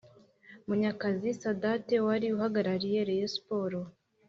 Munyakazi Sadate wari uhagarariye Rayon Sports